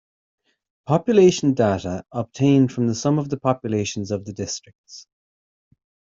Population data obtained from the sum of the populations of the districts.